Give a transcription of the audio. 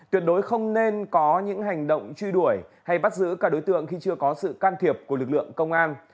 tuyệt đối không nên có những hành động truy đuổi hay bắt giữ các đối tượng khi chưa có sự can thiệp của lực lượng công an